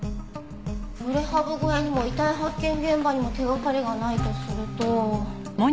プレハブ小屋にも遺体発見現場にも手掛かりがないとすると。